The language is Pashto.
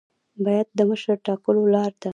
بیعت د مشر ټاکلو لار ده